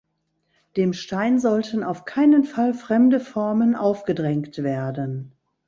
Dem Stein sollten auf keinen Fall fremde Formen aufgedrängt werden.